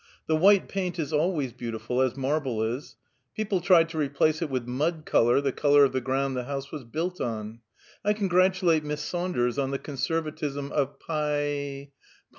The white paint is always beautiful, as marble is. People tried to replace it with mud color the color of the ground the house was built on! I congratulate Miss Saunders on the conservatism of Py